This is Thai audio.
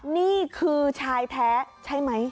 นี่คือชายแท้ใช่ไหม